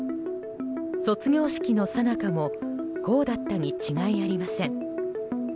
卒業式のさなかもこうだったに違いありません。